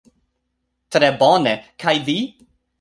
Tre bone kaj vi?